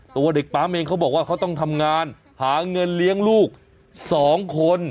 ตัวเด็กปั๊มเองเขาบอกว่าเขาต้องทำงานหาเงินเลี้ยงลูก๒คน